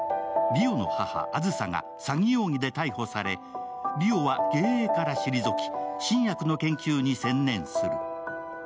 梨央の母・梓が詐欺容疑で逮捕され梨央は経営から退き、新薬の研究に専念する。